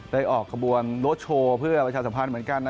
ออกขบวนรถโชว์เพื่อประชาสัมพันธ์เหมือนกัน